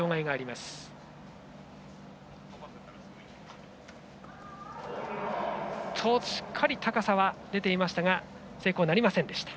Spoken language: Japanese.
しっかり高さは出ていましたが成功なりませんでした。